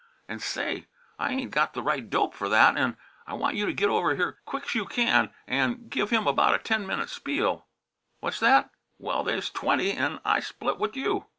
An' say, I ain't got the right dope for that an' I want you to get over here quick's you can an' give him about a ten minute spiel. Wha's that? Well, they's twenty, an' I split with you.